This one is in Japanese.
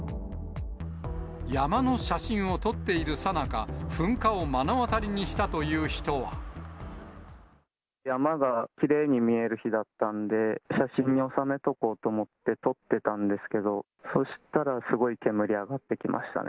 山の写真を撮っているさなか、噴火を目の当たりにしたという人山がきれいに見える日だったんで、写真に収めとこうと思って、撮ってたんですけど、そしたら、すごい煙上がってきましたね。